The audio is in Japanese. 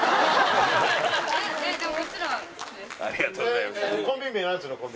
ありがとうございます。